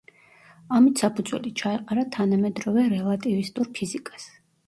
ამით საფუძველი ჩაეყარა თანამედროვე რელატივისტურ ფიზიკას.